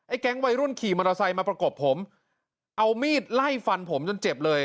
แก๊งวัยรุ่นขี่มอเตอร์ไซค์มาประกบผมเอามีดไล่ฟันผมจนเจ็บเลย